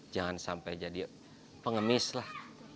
jangan sampai jadi pengemis lah